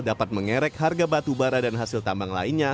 dapat mengerek harga batubara dan hasil tambang lainnya